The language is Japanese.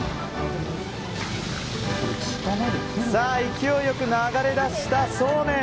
勢いよく流れ出したそうめん。